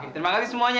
terima kasih semuanya